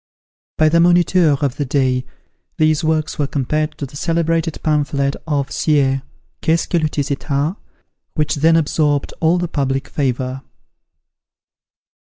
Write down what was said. By the Moniteur of the day, these works were compared to the celebrated pamphlet of Sieyes, "Qu'est ce que le tiers etat?" which then absorbed all the public favour.